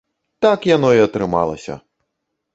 Так яно і атрымалася!